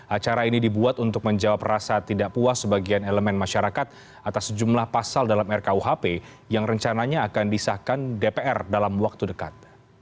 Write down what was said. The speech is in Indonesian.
acara ini dibuat untuk menjawab rasa tidak puas sebagian elemen masyarakat atas sejumlah pasal dalam rkuhp yang rencananya akan disahkan dpr dalam waktu dekat